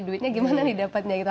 duitnya gimana nih dapatnya gitu